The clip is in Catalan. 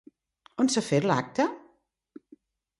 On s'ha fet l'acte?